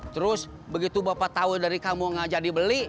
terus begitu bapak tahu dari kamu gak jadi beli